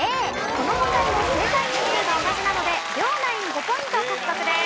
この問題も正解人数が同じなので両ナイン５ポイント獲得です。